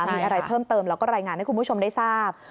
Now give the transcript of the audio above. มีอะไรเพิ่มเติมแล้วก็รายงานให้คุณผู้ชมได้ทราบ